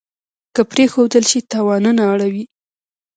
که پرېښودل شي تاوانونه اړوي.